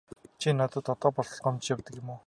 Чи надад одоо болтол гомдож явдаг юм уу?